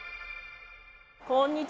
こんにちは。